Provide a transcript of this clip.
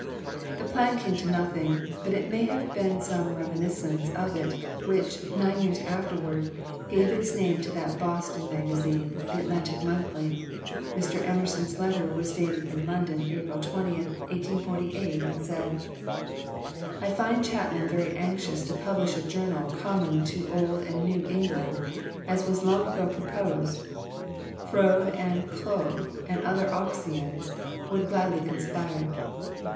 The plan came to nothing, but it may have been some reminiscence of it which, nine years afterward, gave its name to that Boston magazine, the "Atlantic Monthly." Mr. Emerson's letter was dated in London, April 20, 1848, and said: "I find Chapman very anxious to publish a journal common to Old and New England, as was long ago proposed. Froude and Clough and other Oxonians would gladly conspire.